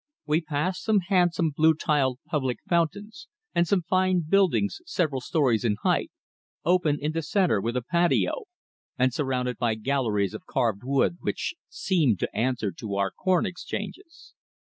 We passed some handsome blue tiled public fountains, and some fine buildings several storeys in height, open in the centre with a patio, and surrounded by galleries of carved wood, which seemed to answer to our corn exchanges.